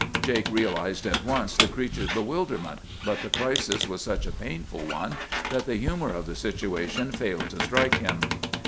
Jake realized at once the creature's bewilderment; but the crisis was such a painful one that the humor of the situation failed to strike him.